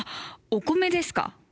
お米ですか？